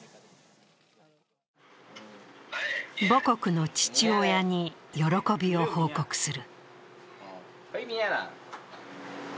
母国の父親に喜びを報告する。